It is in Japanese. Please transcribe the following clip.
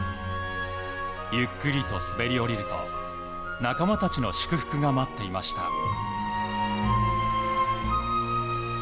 ゆっくりと滑り降りると仲間たちの祝福が待っていました。